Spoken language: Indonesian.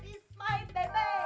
dan iya ini silap semua